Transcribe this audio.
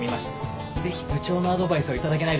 ぜひ部長のアドバイスを頂けないでしょうか。